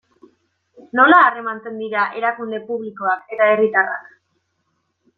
Nola harremantzen dira erakunde publikoak eta herritarrak?